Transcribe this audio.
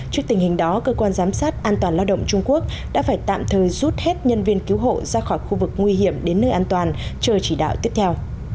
trước tình hình đó cơ quan giám sát an toàn lao động trung quốc đã phải tạm thời rút hết nhân viên cứu hộ ra khỏi khu vực nguy hiểm đến nơi an toàn chờ chỉ đạo tiếp theo